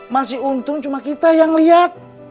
masih untung cuma kita yang lihat